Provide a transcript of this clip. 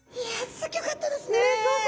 すごかったですね。